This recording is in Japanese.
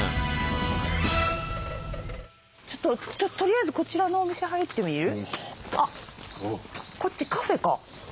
ちょっととりあえずこちらのお店入ってみる？